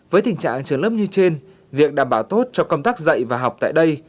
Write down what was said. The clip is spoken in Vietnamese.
với tình trạng trường lớp như trên việc đảm bảo tốt cho công tác dạy và học tại đây